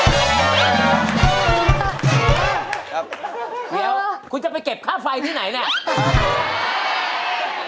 เดี๋ยวคุณจะไปเก็บค่าไฟที่ไหนเนี่ย